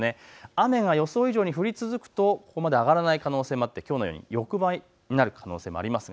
雨が予想以上に降り続くとここまで上がらない可能性もあってきょうのように横ばいになる可能性もあります。